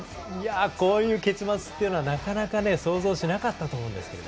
こういう結末なかなか想像しなかったと思うんですけど。